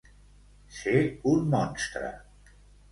Ser un monstre.